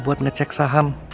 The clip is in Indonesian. buat ngecek saham